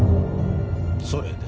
それで？